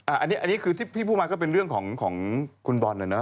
อันนี้คือที่พี่พูดมาก็เป็นเรื่องของคุณบอลนะเนอ